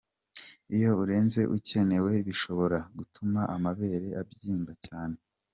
Iyo urenze ukenewe, bishobora gutuma amabere abyimba cyane.